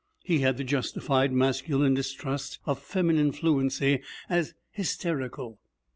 He had the justified masculine distrust of feminine fluency as hysterical.